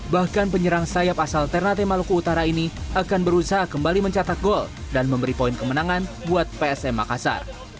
bahkan penyerang sayap asal ternate maluku utara ini akan berusaha kembali mencatat gol dan memberi poin kemenangan buat psm makassar